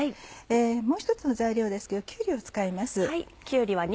もう一つの材料ですけどきゅうりを使います。